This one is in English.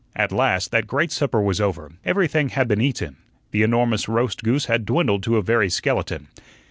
At last that great supper was over, everything had been eaten; the enormous roast goose had dwindled to a very skeleton.